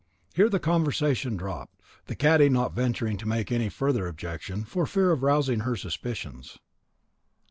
Here the conversation dropped, the cadi not venturing to make any further objection, for fear of rousing her suspicions.